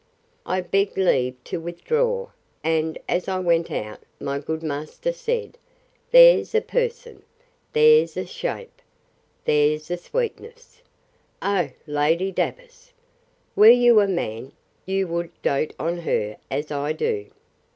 I begged leave to withdraw; and, as I went out, my good master said, There's a person! There's a shape! There's a sweetness! O, Lady Davers! were you a man, you would doat on her, as I do.